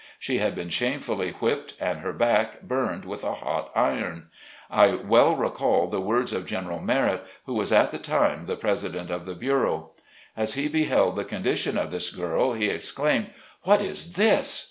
She had been shamefully whipped and her back burned with a hot iron. I well recall the words of General Merrett, who was at the time the president of the bureau. As he beheld the condition of this girl, he exclaimed, " What is this